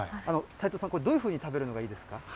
齋藤さん、これ、どういうふうに食べるのがいいですか。